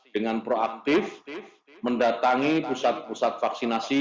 dengan proaktif mendatangi pusat pusat vaksinasi